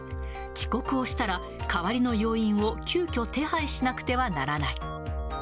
遅刻をしたら、代わりの要員を急きょ手配しなくてはならない。